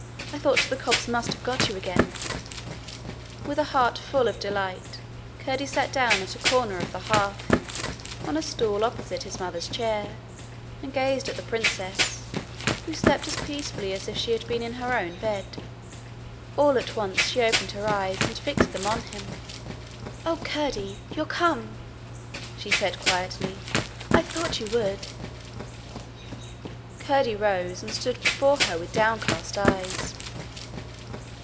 I thought the cobs must have got you again!' With a heart full of delight, Curdie sat down at a corner of the hearth, on a stool opposite his mother's chair, and gazed at the princess, who slept as peacefully as if she had been in her own bed. All at once she opened her eyes and fixed them on him. 'Oh, Curdie! you're come!' she said quietly. 'I thought you would!' Curdie rose and stood before her with downcast eyes.